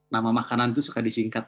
nama makanan itu suka disingkat